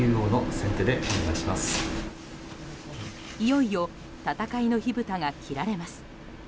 いよいよ戦いの火ぶたが切られます。